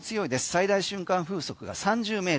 最大瞬間風速が３０ｍ。